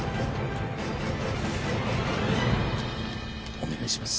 お願いします。